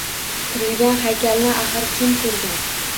Tirilgan haykalni, axir, kim ko’rgan?!